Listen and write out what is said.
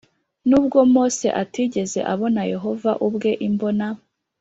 N ubwo Mose atigeze abona Yehova ubwe imbona